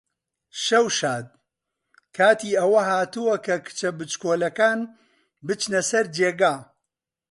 شەو شاد! کاتی ئەوە هاتووە کە کچە بچکۆڵەکەکان بچنە سەر جێگا.